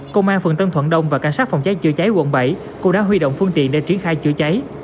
công an phường tân thuận đông và cảnh sát phòng cháy chữa cháy quận bảy cũng đã huy động phương tiện để triển khai chữa cháy